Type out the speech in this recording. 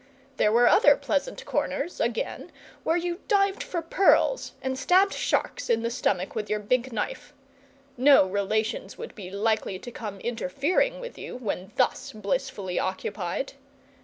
There were other pleasant corners, again, where you dived for pearls and stabbed sharks in the stomach with your big knife. No relations would be likely to come interfering with you when thus blissfully occupied.